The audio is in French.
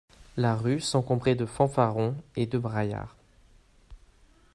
La rue s'encombrait de fanfarons et de braillards.